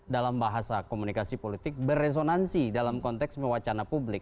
dalam bahasa komunikasi politik berresonansi dalam konteks mewacana publik